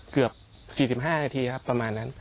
เกือบ๔๕นาทีครับประมาณนั้น